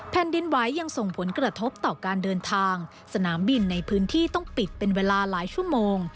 แผ่นดินไหวยังส่งผลกระทบต่อการเดินทางสนามบินในพื้นที่ต้องปิดเป็นเวลาหลายชั่วโมง